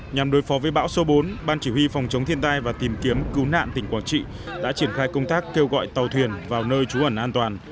nhằm đối phó với bão số bốn ban chỉ huy phòng chống thiên tai và tìm kiếm cứu nạn tỉnh quảng trị đã triển khai công tác kêu gọi tàu thuyền vào nơi trú ẩn an toàn